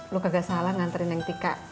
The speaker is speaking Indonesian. lu kagak salah nganterin neng tika